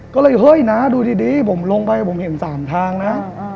ก็เลยเฮ้ยน้าดูดีผมลงไปผมเห็น๓ทางนะ